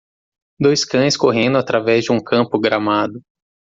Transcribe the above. Dois cães correndo através de um campo gramado.